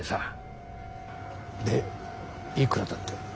でいくらだって？